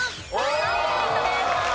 ３ポイントです。